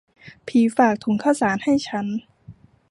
ผีฝากถุงข้าวสารให้ฉัน